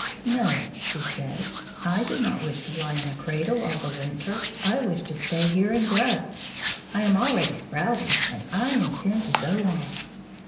"No," she said; "I do not wish to lie in a cradle all the winter. I wish to stay here and grow. I am already sprouting, and I intend to go on."